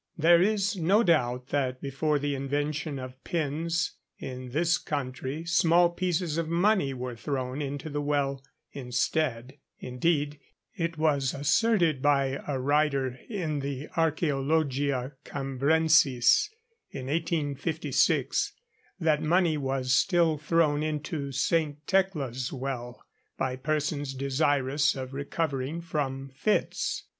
There is no doubt that before the invention of pins in this country small pieces of money were thrown into the well instead; indeed it was asserted by a writer in the 'Archæologia Cambrensis' in 1856 that money was still thrown into St. Tecla's well, by persons desirous of recovering from fits.